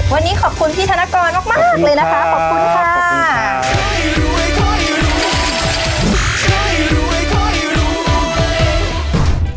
วันนี้ขอบคุณพี่ธนกรมากเลยนะคะขอบคุณค่ะ